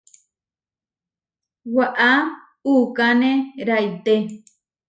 Waʼá uʼkane raité.